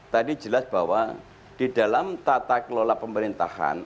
tadi jelas bahwa di dalam tata kelola pemerintahan